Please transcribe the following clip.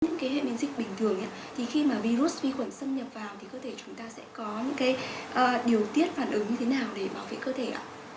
những cái hệ biến dịch bình thường thì khi mà virus vi khuẩn xâm nhập vào thì cơ thể chúng ta sẽ có những cái điều tiết phản ứng như thế nào để bảo vệ cơ thể ạ